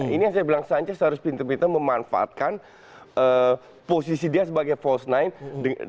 ini yang saya bilang sanchez harus pinter pinter memanfaatkan posisi dia sebagai false nine